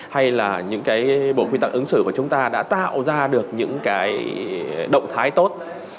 hay là những bộ quy tắc ứng xử của chúng ta đã tạo ra được những động thái tốt